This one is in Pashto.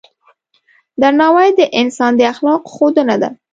درناوی د انسان د اخلاقو ښودنه ده.